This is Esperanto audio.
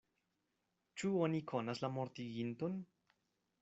Ĉu oni konas la mortiginton?